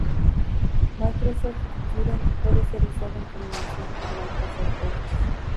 Microsoft Student puede ser usado en combinación con Microsoft Office.